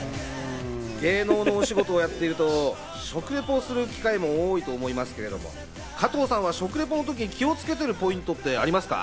芸能のお仕事をやっていると食リポをする機会も多いと思いますけれど、加藤さんは食リポの時に気をつけているポイントってありますか？